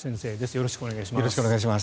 よろしくお願いします。